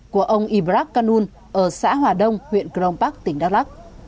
của ông ibrah kanun ở xã hòa đông huyện cron park tỉnh đắk lắk